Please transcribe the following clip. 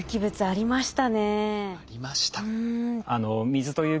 ありました。